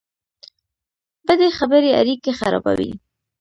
بدې خبرې اړیکې خرابوي